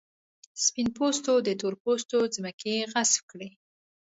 سپین پوستو د تور پوستو ځمکې غصب کړې.